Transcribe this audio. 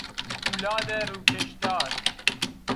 پولاد روکشدار